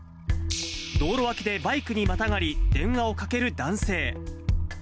道路脇でバイクにまたがり、電話をかける男性。